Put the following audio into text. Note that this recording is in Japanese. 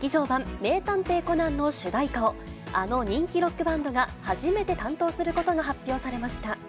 版名探偵コナンの主題歌を、あの人気ロックバンドが初めて担当することが発表されました。